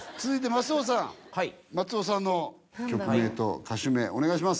はい松尾さんの曲名と歌手名お願いします